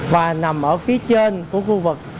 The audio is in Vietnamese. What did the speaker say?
và nằm ở phía trên của khu vực